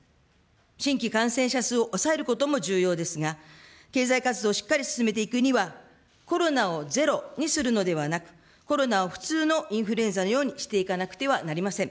新規感染者数を抑えることも重要ですが、経済活動をしっかり進めていくには、コロナをゼロにするのではなく、コロナを普通のインフルエンザのようにしていかなくてはなりません。